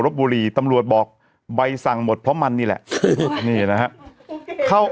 บุรีตำรวจบอกใบสั่งหมดเพราะมันนี่แหละนี่นะฮะเข้า